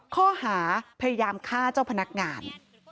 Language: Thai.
ข้อหาพยายามฆ่าเจ้าพนักงาน